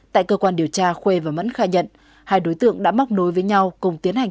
tại cơ quan điều tra khuê và mẫn khai nhận hai đối tượng đã móc nối với nhau cùng tiến hành